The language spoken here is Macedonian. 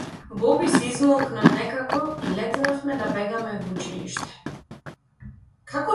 Боби се измолкна некако и летнавме да бегаме в училиште.